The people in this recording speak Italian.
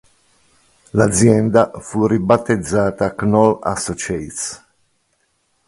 L'azienda fu ribattezzata Knoll Associates.